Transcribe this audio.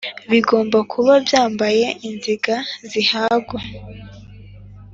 bigomba kuba byambaye inziga zihagwa